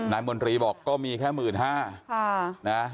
นายมนตรีบอกก็มีแค่๑๕๐๐๐นะ